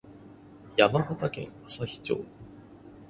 山形県朝日町